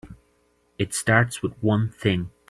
It starts with one thing.